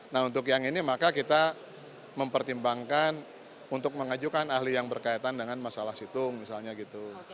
nah untuk yang ini maka kita mempertimbangkan untuk mengajukan ahli yang berkaitan dengan masalah situng misalnya gitu